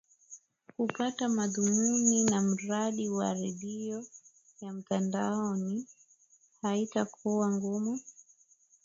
kupata mdhamini wa mradi wa redio ya mtandaoni haitakuwa ngumu